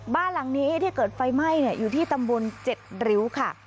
บ้านหลังนี้ที่เกิดไฟไหม้อยู่ที่ตำบล๗ริ้วค่ะ